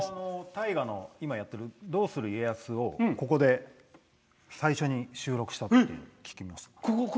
大河の「どうする家康」をここで最初に収録したと聞きました。